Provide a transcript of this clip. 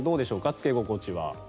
着け心地は。